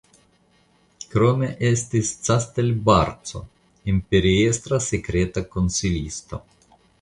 Krome estis Castelbarco imperiestra sekreta konsilisto.